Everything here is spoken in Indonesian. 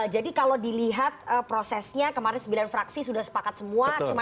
jadi kalau dilihat prosesnya kemarin sembilan fraksi sudah sepakat semua